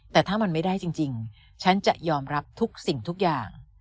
แต่ถ้ามันไม่ได้จริงฉันจะยอมรับทุกสิ่งทุกอย่าง